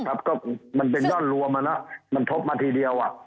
ครับก็มันเป็นย่อนรวมแล้วนะมันทบมาทีเดียวอ่ะ